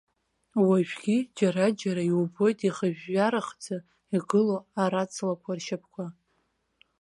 Уажәгьы џьара-џьара иубоит ихыжәжәарахӡа игылоу араҵлақәа ршьапқәа.